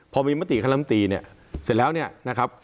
พอมีมติคณะมตีเนี่ยเสร็จแล้วเนี่ยนะครับ